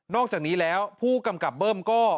อกจากนี้แล้วผู้กำกับเบิ้มก็